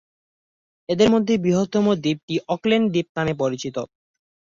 এদের মধ্যে বৃহত্তম দ্বীপটি অকল্যান্ড দ্বীপ নামে পরিচিত।